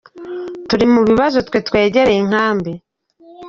Turi mu bibazo twe twegereye inkambi.